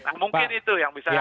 nah mungkin itu yang bisa